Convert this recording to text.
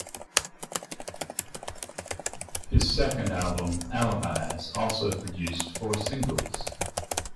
His second album, "Alibis", also produced four singles.